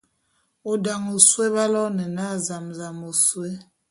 O dane ôsôé b'aloene na zam-zam ôsôé.